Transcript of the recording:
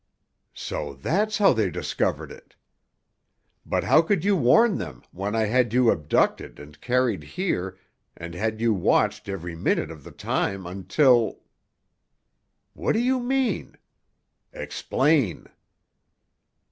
"So that's how they discovered it! But how could you warn them, when I had you abducted and carried here and had you watched every minute of the time until—— What do you mean? Explain!"